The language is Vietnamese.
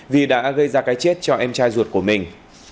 vì đã gây ra cái chết cho em trai ruột của mình